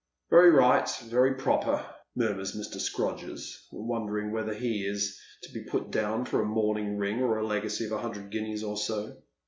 " Very right, very proper," murmurs Mr. Scrodgers, wondering whether he is to be put down for a mourning ring, or a legacy of a hundred guineas or so.